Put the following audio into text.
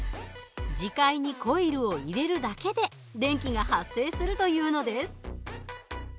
磁界にコイルを入れるだけで電気が発生するというのです。